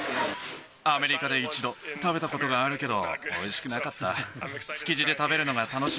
アメリカで１度、食べたことがあるけど、おいしくなかった。